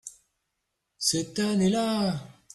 Cette année-là.